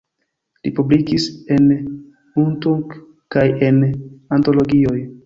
Li publikis en Utunk kaj en antologioj.